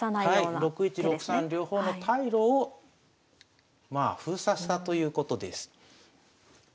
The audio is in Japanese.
６一６三両方の退路をまあ封鎖したということです。